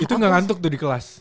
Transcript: itu gak ngantuk tuh di kelas